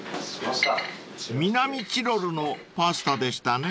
［南チロルのパスタでしたね］